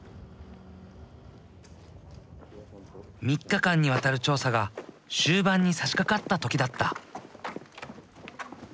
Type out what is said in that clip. ３日間にわたる調査が終盤にさしかかった時だった。